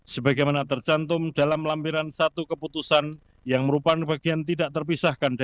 sebagaimana tercantum dalam lampiran satu keputusan yang merupakan bagian tidak terpisahkan